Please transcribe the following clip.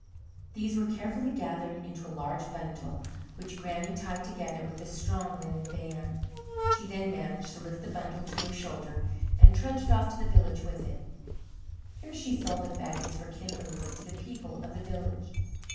These were carefully gathered into a large bundle which Granny tied together with a strong linen band. She then managed to lift the bundle to her shoulder and trudged off to the village with it. Here she sold the fagots for kindling wood to the people of the village.